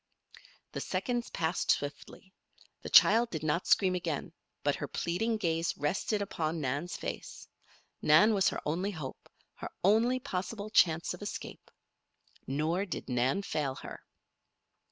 The seconds passed swiftly. The child did not scream again, but her pleading gaze rested upon Nan's face. Nan was her only hope her only possible chance of escape. Nor did Nan fail her.